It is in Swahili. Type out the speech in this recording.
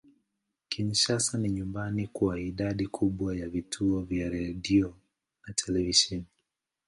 Kinshasa ni nyumbani kwa idadi kubwa ya vituo vya redio na televisheni.